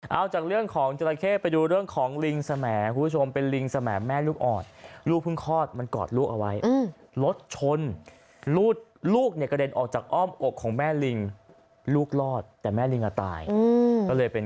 เอาจากเรื่องของเจระเงจิลึกผมไปดูเรื่องของลิงสมแหม